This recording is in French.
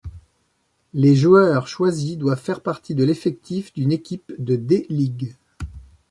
Les joueurs choisis doivent faire partie de l'effectif d'une équipe de D-League.